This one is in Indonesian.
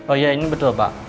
oh iya ini betul pak